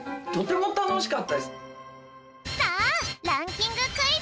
さあランキングクイズ！